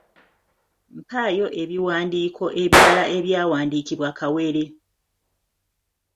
Mpaayo ebiwandiiko ebirala ebyawandiikibwa Kawere?